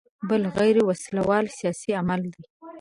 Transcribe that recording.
بل غیر وسله وال سیاسي عمل دی.